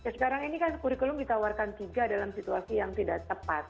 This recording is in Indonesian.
sekarang ini kan kurikulum ditawarkan tiga dalam situasi yang tidak tepat